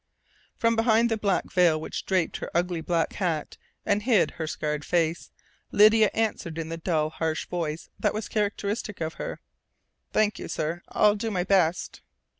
From behind the black veil which draped her ugly black hat and hid her scarred face, Lydia answered in the dull, harsh voice that was characteristic of her: "Thank you, sir. I'll do my best."